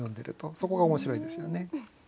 そこが面白いですよね。